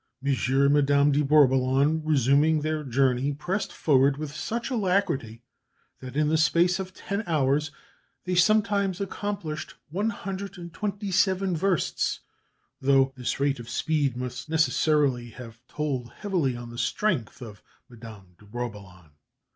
M. and Madame de Bourboulon, resuming their journey, pressed forward with such alacrity that, in the space of ten hours, they sometimes accomplished 127 versts, though this rate of speed must necessarily have told heavily on the strength of Madame de Bourboulon.